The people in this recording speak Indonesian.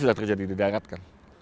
sudah terjadi di darat kan